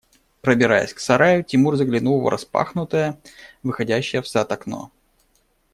Пробираясь к сараю, Тимур заглянул в распахнутое, выходящее в сад окно.